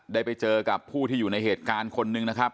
ได้ไปเจอกับผู้ที่อยู่ในเหตุการณ์คนหนึ่งนะครับ